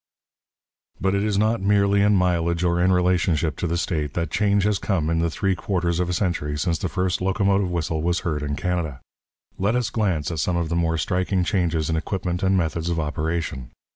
But it is not merely in mileage or in relationship to the state that change has come in the three quarters of a century since the first locomotive whistle was heard in Canada. Let us glance at some of the more striking changes in equipment and methods of operation.